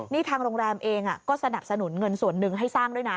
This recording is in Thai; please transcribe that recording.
นี่ทางโรงแรมเองก็สนับสนุนเงินส่วนหนึ่งให้สร้างด้วยนะ